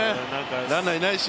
ランナーいないし。